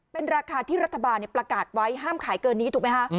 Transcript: เป็นราคาที่รัฐบาลประกาศไว้ห้ามขายเกินนี้ถูกไหมคะ